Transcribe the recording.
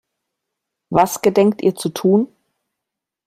Was gedenkt ihr zu tun?